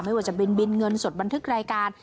ไม่ว่าจะบินบินเงินสดบันทึกรายการ